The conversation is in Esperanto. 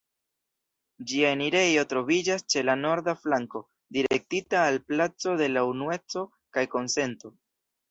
Ĝia enirejo troviĝas ĉe la norda flanko, direktita al placo de Unueco kaj Konsento.